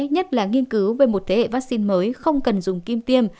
nhất là nghiên cứu về một thế hệ vaccine mới không cần dùng kim tiêm